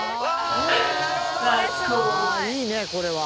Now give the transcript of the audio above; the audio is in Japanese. ああいいねこれは。